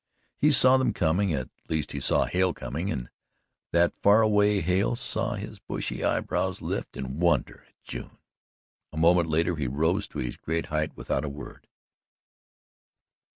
He saw them coming at least he saw Hale coming, and that far away Hale saw his bushy eyebrows lift in wonder at June. A moment later he rose to his great height without a word.